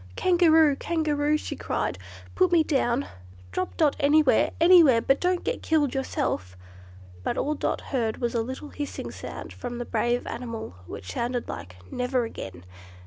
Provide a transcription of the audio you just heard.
"Kangaroo! Kangaroo!" she cried, "put me down; drop Dot anywhere, anywhere, but don't get killed yourself!" But all Dot heard was a little hissing sound from the brave animal, which sounded like, "Never again!"